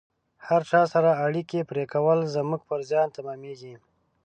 هر چا سره اړیکې پرې کول زموږ پر زیان تمامیږي